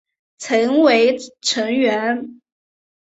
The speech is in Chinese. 曾为成员。